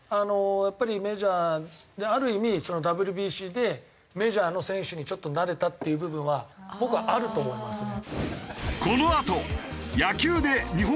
やっぱりメジャーである意味ＷＢＣでメジャーの選手にちょっと慣れたっていう部分は僕はあると思いますね。